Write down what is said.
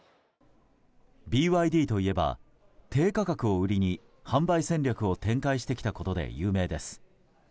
ＢＹＤといえば、低価格を売りに販売戦略を展開してきたことで有名です。